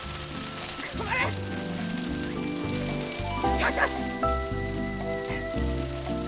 よしよし！